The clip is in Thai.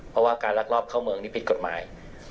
เพราะว่าการลักลอบเข้าเมืองนี่ผิดกฎหมาย